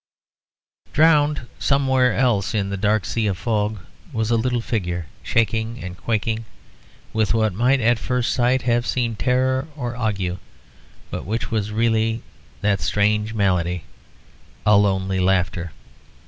Drowned somewhere else in the dark sea of fog was a little figure shaking and quaking, with what might at first sight have seemed terror or ague: but which was really that strange malady, a lonely laughter.